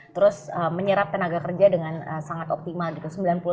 terus menyerap tenaga kerja dengan sangat optimal gitu